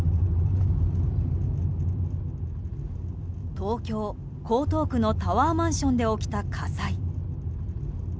東京・江東区のタワーマンションで起きた火災。